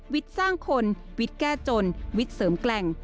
วิตสร้างคนวิตแก้จนวิตเสริมแกร่ง